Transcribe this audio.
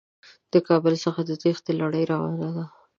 د کابل څخه د تېښتې لړۍ روانه ده.